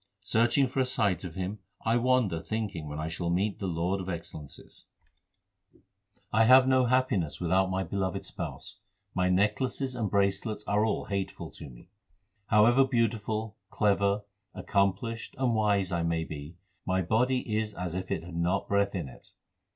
Searching for a sight of Him I wander thinking when I shall meet the Lord of excellences. 1 That is, water. 410 THE SIKH RELIGION I have no happiness without my Beloved Spouse ; my necklaces and bracelets are all hateful to me. However beautiful, clever, accomplished, and wise I may be, my body is as if it had not breath in it.